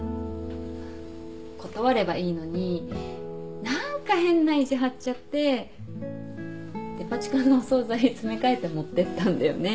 断ればいいのに何か変な意地張っちゃってデパ地下のお総菜詰め替えて持ってったんだよね。